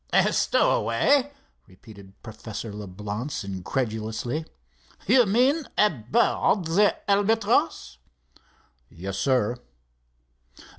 "A stowaway?" repeated Professor Leblance, incredulously. "You mean aboard the Albatross?" "Yes, sir."